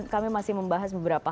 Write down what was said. kami masih membahas beberapa